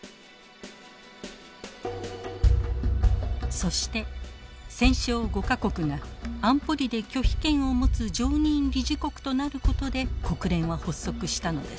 そして戦勝５か国が安保理で拒否権を持つ常任理事国となることで国連は発足したのです。